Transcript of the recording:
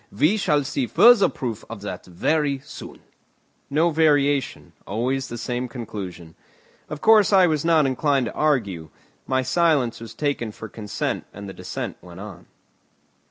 We shall see further proof of that very soon." No variation, always the same conclusion. Of course, I was not inclined to argue. My silence was taken for consent and the descent went on.